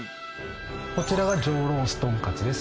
こちらは上ロース豚かつです。